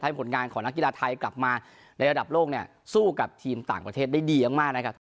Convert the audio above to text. ผลงานของนักกีฬาไทยกลับมาในระดับโลกเนี่ยสู้กับทีมต่างประเทศได้ดีมากนะครับ